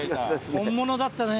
本物だったね。